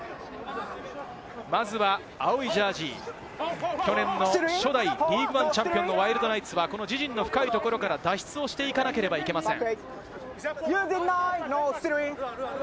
まずは青いジャージー、去年の初代リーグワンチャンピオンのワイルドナイツはこの自陣の深いところから脱出をしていかなければいけません。